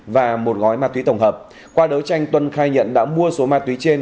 và một gói ma túy tổng hợp qua đấu tranh tuân khai nhận đã mua số ma túy trên